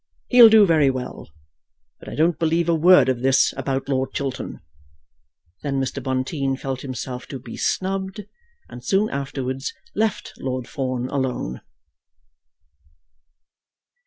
He'll do very well. But I don't believe a word of this about Lord Chiltern." Then Mr. Bonteen felt himself to be snubbed, and soon afterwards left Lord Fawn alone.